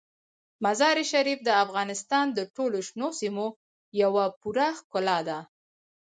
مزارشریف د افغانستان د ټولو شنو سیمو یوه پوره ښکلا ده.